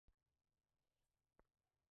maswali mahususi kuhusu maamuzi ambayo aliyatoa